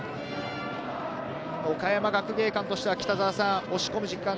岡山学芸館としては、押し込む時間帯。